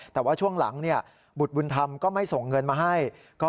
แต่ว่าช่วงหลังบุตรบุญธรรมก็ไม่ส่งเงินมาให้